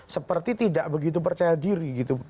seperti tidak begitu percaya diri gitu